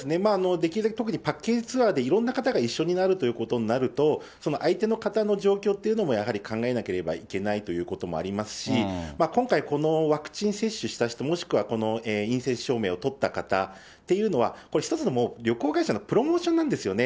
できるだけ、特にパッケージツアーでいろんな方が一緒になるということになると、その相手の方の状況というのもやはり考えなければいけないということもありますし、今回、このワクチン接種した人、もしくはこの陰性証明を取った方っていうのは、１つの旅行会社のプロモーションなんですよね。